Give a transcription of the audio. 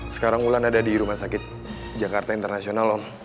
sekarang ulan ada di rumah sakit jakarta internasional om